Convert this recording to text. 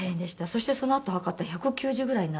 そしてそのあと測ったら１９０ぐらいになっていて。